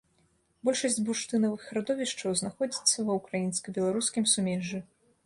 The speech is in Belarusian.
Большасць бурштынавых радовішчаў знаходзіцца ва ўкраінска-беларускім сумежжы.